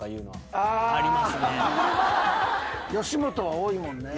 吉本は多いもんね。